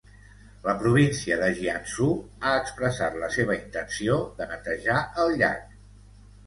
La província de Jiangsu ha expressat la seva intenció de netejar el llac.